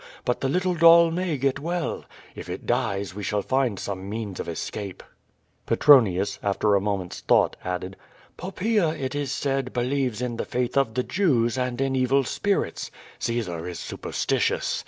But the little doll may get well. If it dies, we shall find some means of escape." Petronius, after a moment's thought, added: 'Toppaea, it is said, believes in the faith of the Jews, and in evil spirits. Caesar is superstitious.